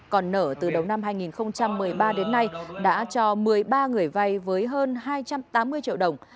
còn nở từ đầu năm hai nghìn một mươi ba đến nay đã cho một mươi ba người vay với hơn hai trăm tám mươi triệu đồng